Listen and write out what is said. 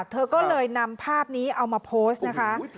เธอก็เลยนำภาพนี้เอามาโพสต์นะคะ